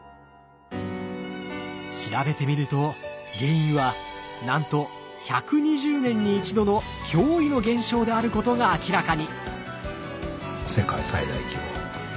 調べてみると原因はなんと１２０年に一度の驚異の現象であることが明らかに！